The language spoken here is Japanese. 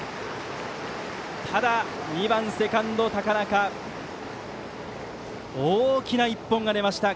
ただ２番セカンド、高中の大きな一本が出ました。